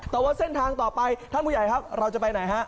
แต่ว่าเส้นทางต่อไปท่านผู้ใหญ่ครับเราจะไปไหนฮะ